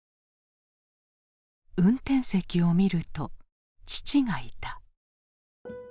運転席を見ると父がいた。